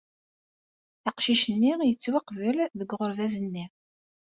Aqcic-nni yettwaqbel deg uɣerbaz-nni.